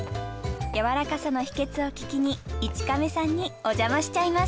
やわらかさの秘訣を聞きに一亀さんにお邪魔しちゃいます